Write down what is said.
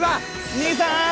兄さーん。